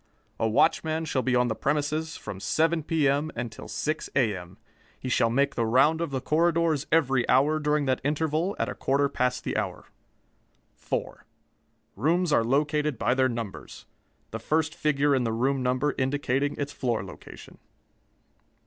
A watchman shall be on the premises from 7 P.M. until 6 A.M. He shall make the round of the corridors every hour during that interval, at a quarter past the hour. 4. Rooms are located by their numbers: the first figure in the room number indicating its floor location.